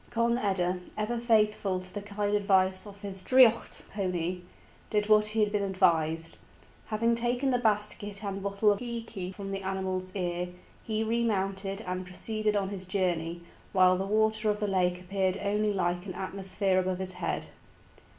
Conn eda, ever faithful to the kind advice of his draoidheacht pony, did what he had been advised. Having taken the basket and bottle of íce from the animal's ear, he remounted and proceeded on his journey, while the water of the lake appeared only like an atmosphere above his head.